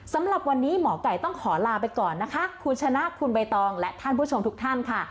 สำหรับวันนี้หมอไก่ต้องขอลาไปก่อนนะคะคุณชนะคุณใบตองและท่านผู้ชมทุกท่านค่ะ